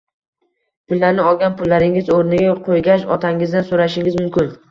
pullarni olgan pullaringiz o‘rniga qo‘ygach, otangizdan so‘rashingiz mumkin.